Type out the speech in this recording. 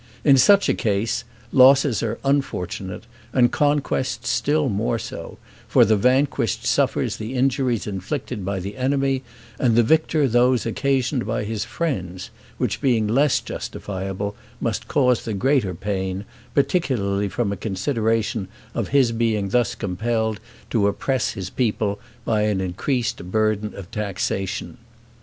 In such a case, losses are unfortunate, and conquests still more so; for the vanquished suffers the injuries inflicted by the enemy, and the victor those occasioned by his friends, which being less justifiable, must cause the greater pain, particularly from a consideration of his being thus compelled to oppress his people by an increased burden of taxation.